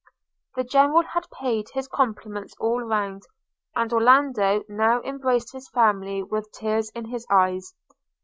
The General had paid his compliments all round, and Orlando now embraced his family with tears in his eyes.